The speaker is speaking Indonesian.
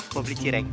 mau beli cireng